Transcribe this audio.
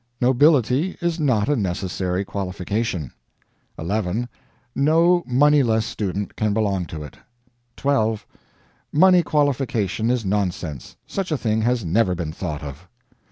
Nobility is not a necessary qualification. 11. No moneyless student can belong to it. 12. Money qualification is nonsense such a thing has never been thought of.